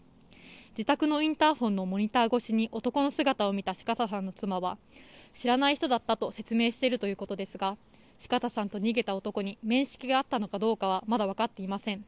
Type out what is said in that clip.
自宅のインターフォンのモニター越しに男の姿を見た四方さんの妻は知らない人だったと説明しているということですが四方さんと逃げた男に面識があったのかどうかはまだ分かっていません。